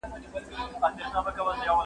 پدې سورت کي د جاهلانو بحث سته.